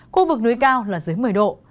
khu vực núi cao là dưới một mươi độ